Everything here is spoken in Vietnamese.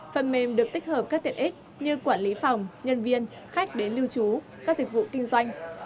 phần mềm được tích hợp các tiện ích như quản lý phòng nhân viên khách đến lưu trú các dịch vụ kinh doanh